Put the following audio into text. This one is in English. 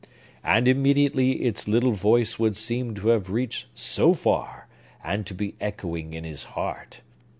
and immediately its little voice would seem to have reached so far, and to be echoing in his heart.